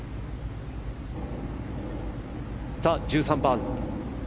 さあ、１３番。